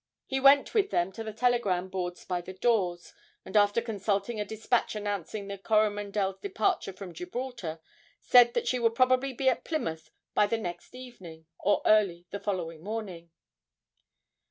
He went with them to the telegram boards by the doors, and after consulting a despatch announcing the 'Coromandel's' departure from Gibraltar, said that she would probably be at Plymouth by the next evening, or early on the following morning.